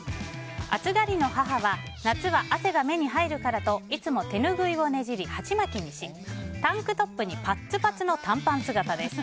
暑がりの母は夏は汗が目に入るからといつも手拭いをねじり鉢巻きにしタンクトップにパッツパツの短パン姿です。